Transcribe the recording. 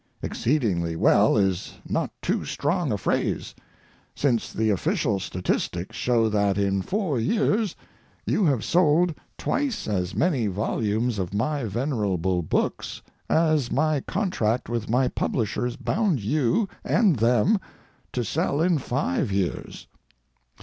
Exceedingly well is not too strong a phrase, since the official statistics show that in four years you have sold twice as many volumes of my venerable books as my contract with my publishers bound you and them to sell in five years.